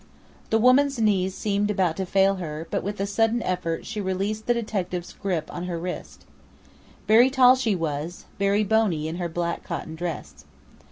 The woman's knees seemed about to fail her, but with a sudden effort she released the detective's grip on her wrist. Very tall she was, very bony in her black cotton dress.